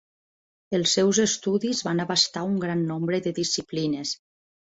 Els seus estudis van abastar un gran nombre de disciplines.